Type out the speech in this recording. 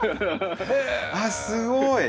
あっすごい！